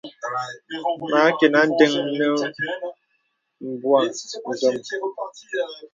Mə à kinà ǹdəŋ nə buɛ zɔm.